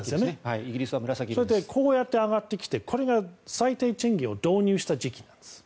こうやって上がってきてこれが最低賃金を導入した時期なんです。